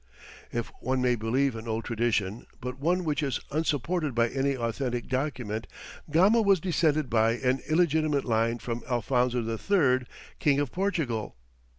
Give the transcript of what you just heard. ] If one may believe an old tradition, but one which is unsupported by any authentic document, Gama was descended by an illegitimate line from Alphonso III., King of Portugal.